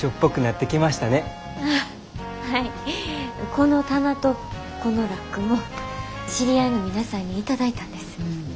この棚とこのラックも知り合いの皆さんに頂いたんです。